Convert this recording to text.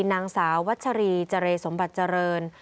นางสาววัชรีเจรสมบัติเจริญ